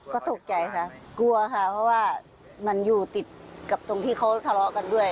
ก็ตกใจค่ะกลัวค่ะเพราะว่ามันอยู่ติดกับตรงที่เขาทะเลาะกันด้วย